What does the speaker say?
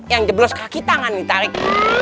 yang jeblos kaki tangan nih tarik